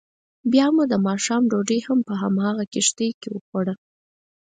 بیا مو دماښام ډوډۍ هم په همغه کښتۍ کې وخوړه.